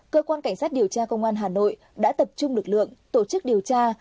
cơ quan cảnh sát điều tra công an hà nội đã tập trung lực lượng tổ chức điều tra